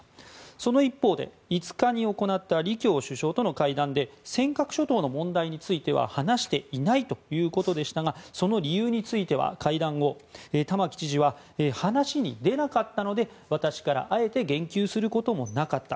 その一方で、５日に行った李強首相との会談で尖閣諸島の問題については話していないということでしたがその理由については、会談後玉城知事は話に出なかったので、私からあえて言及することもなかった。